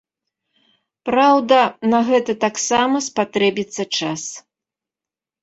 Праўда, на гэта таксама спатрэбіцца час.